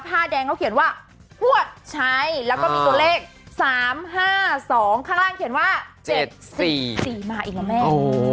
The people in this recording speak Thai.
ผ้าแดงเขาเขียนว่าพวดใช้แล้วก็มีตัวเลข๓๕๒ข้างล่างเขียนว่า๗๔๔มาอีกแล้วแม่